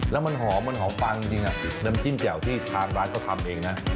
แล้วมันหอมมันหอมปังจริงน้ำจิ้มแจ่วที่ทางร้านเขาทำเองนะ